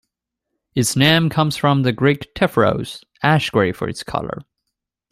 Its name comes from the Greek "tephros", "ash gray", for its color.